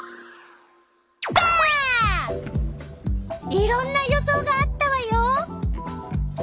いろんな予想があったわよ。